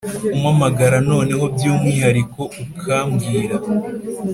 umpamagara noneho byumwihariko ukambwira